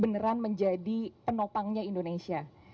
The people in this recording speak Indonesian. beneran menjadi penopangnya indonesia